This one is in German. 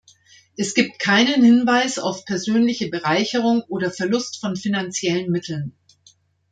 Es gibt keinen Hinweis auf persönliche Bereicherung oder Verlust von finanziellen Mitteln.